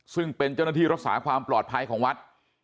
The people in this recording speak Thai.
ซึ่งเป็นเจ้าหน้าที่รักษาความปลอดภัยของวัด